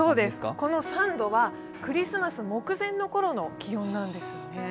この３度はクリスマス目前の頃の気温なんですね。